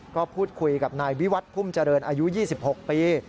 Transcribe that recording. ก็พูดคุยกับนายวิวัตรพุ่มเจริญอายุ๒๖ปี